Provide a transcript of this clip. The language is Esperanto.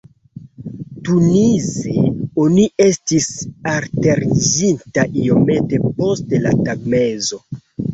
Tunize oni estis alteriĝinta iomete post la tagmezo.